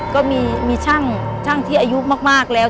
ก็มีช่างที่อายุมากแล้ว